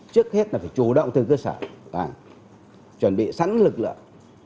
trước hết là phải chủ động từ cơ sở chuẩn bị sẵn lực lượng